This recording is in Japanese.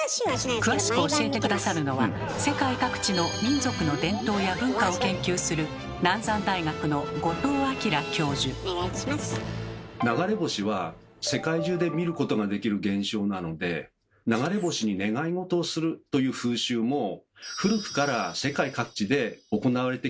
詳しく教えて下さるのは世界各地の民族の伝統や文化を研究する流れ星は世界中で見ることができる現象なので「流れ星に願いごとをする」という風習も古くから世界各地で行われてきたと考えられます。